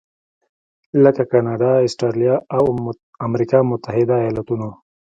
لکه کاناډا، اسټرالیا او امریکا متحده ایالتونو.